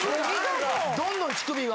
どんどん乳首が。